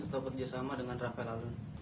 atau kerjasama dengan rafael alun